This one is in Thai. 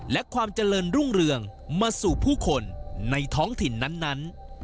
และความเจริญรุ่งเรืองมาสู่ผู้คนในท้องถิ่นนั้น